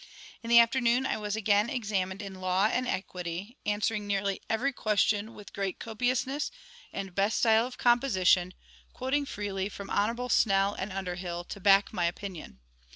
In the afternoon I was again examined in Law and Equity, answering nearly every question with great copiousness and best style of composition, quoting freely from Hon'ble SNELL and UNDERHILL to back my opinion.